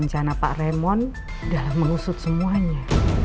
rencana pak remon dalam mengusut semuanya